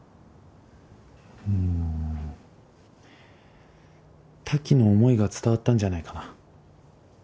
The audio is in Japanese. うん滝の思いが伝わったんじゃないかな。